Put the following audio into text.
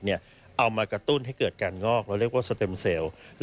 เอามากระตุ้นให้เกิดการงอกเราเรียกว่าสเต็มเซลล์